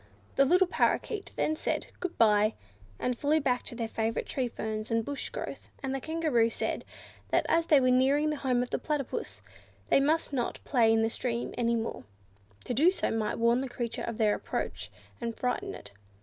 The little Parrakeets then said "Good bye," and flew back to their favourite tree ferns and bush growth; and the Kangaroo said, that as they were nearing the home of the Platypus, they must not play in the stream any more; to do so might warn the creature of their approach and frighten it.